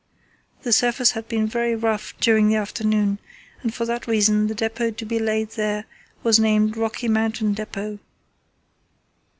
The surface had been very rough during the afternoon, and for that reason the depot to be laid there was named Rocky Mountain Depot.